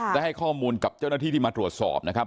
ได้ให้ข้อมูลกับเจ้าหน้าที่ที่มาตรวจสอบนะครับ